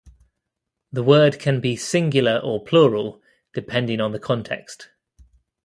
The word can be singular or plural, depending on the context.